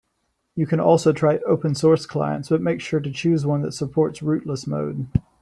You can also try open source clients, but make sure to choose one that supports rootless mode.